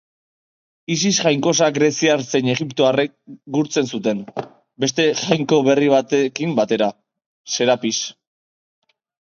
Isis jainkosa greziar zein egiptoarrek gurtzen zuten, beste jainko berri batekin batera, Serapis.